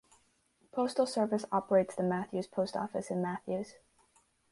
Postal Service operates the Mathews Post Office in Mathews.